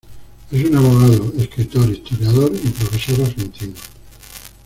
Es un abogado, escritor, historiador y profesor argentino.